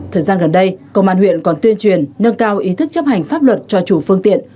thời gian gần đây công an huyện còn tuyên truyền nâng cao ý thức chấp hành pháp luật cho chủ phương tiện